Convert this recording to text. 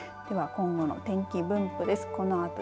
では今後の天気分布です。